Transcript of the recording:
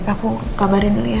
aku kabarin dulu ya